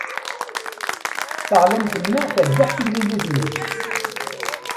Taɣlamt-nneɣ terbeḥ timlilit-nni.